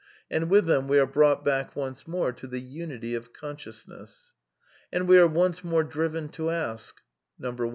And with them we are brought back once more to the unity of consciousness. And we are once more driven to ask : 1.